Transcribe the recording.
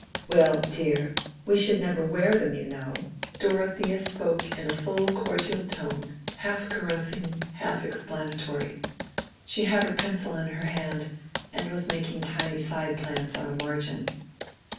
"Well, dear, we should never wear them, you know." Dorothea spoke in a full cordial tone, half caressing, half explanatory. She had her pencil in her hand, and was making tiny side plans on a margin.